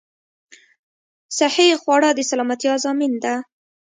صحې خواړه د سلامتيا ضامن ده